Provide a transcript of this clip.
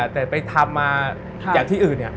แต่ไปทำมาอย่างที่อีกเนี่ย